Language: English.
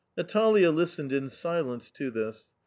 Natalia listened in silence to this.